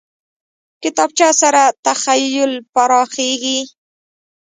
کتابچه سره تخیل پراخېږي